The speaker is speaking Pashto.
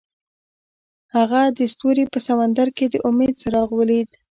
هغه د ستوري په سمندر کې د امید څراغ ولید.